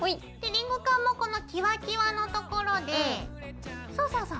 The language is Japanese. リングカンもこのキワキワのところでそうそうそう。